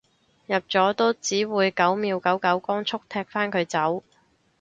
入咗都只會九秒九九光速踢返佢走